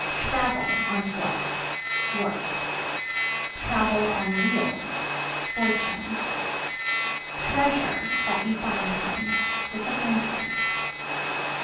Travel (On foot) work; (on wheels) fortune. Treasure (That you find one) disappointment.